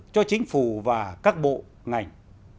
cho chính phủ và các bộ ngành